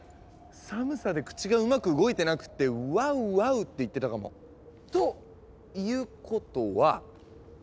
寒さで口がうまく動いてなくって「ワウワウ」って言ってたかも。ということは。